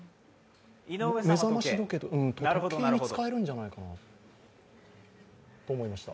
目覚まし時計、時計に使えるんじゃないかと思いました。